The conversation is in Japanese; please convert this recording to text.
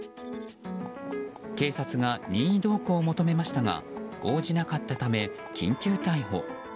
警察が任意同行を求めましたが応じなかったため、緊急逮捕。